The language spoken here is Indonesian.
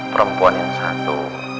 perempuan yang satu